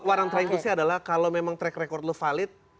warang traingusnya adalah kalau track record lo valid